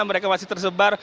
mereka masih tersebar